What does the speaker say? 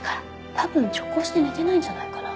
たぶん直行して寝てないんじゃないかな。